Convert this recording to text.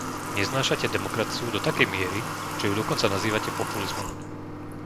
Neznášate demokraciu do takej miery, že ju dokonca nazývate populizmom.